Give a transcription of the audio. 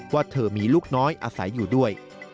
ว่าเธอมีลูกน้อยอาศัยอยู่ด้วย